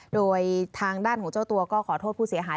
โดยทางด้านของเจ้าตัวก็ขอโทษผู้เสียหาย